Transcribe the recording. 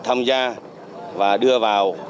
tham gia và đưa vào